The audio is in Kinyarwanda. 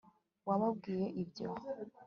wababwiye ibyo